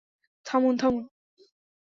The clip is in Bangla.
থামুন, থামুন।